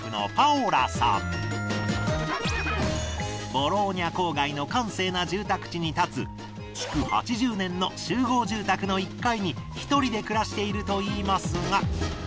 ボローニャ郊外の閑静な住宅地に建つ築８０年の集合住宅の１階に１人で暮らしているといいますが。